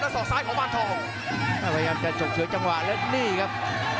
แล้วส่อซ้ายของปลาทองพยายามจะจบเฉยจังหวะแล้วนี่ครับ